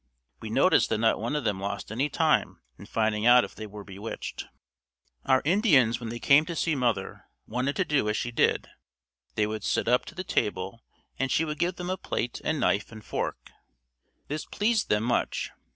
We noticed that none of them lost any time in finding out if they were bewitched. Our Indians when they came to see mother wanted to do as she did. They would sit up to the table and she would give them a plate and knife and fork. This pleased them much.